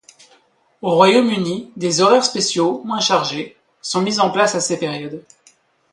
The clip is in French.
Au Royaume-Uni, des horaires spéciaux, moins chargés, sont mis en place à ces périodes.